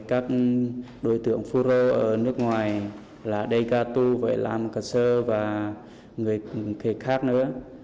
các đối tượng phun rô ở nước ngoài là đê ca tu phải làm cả sơ và người khác nữa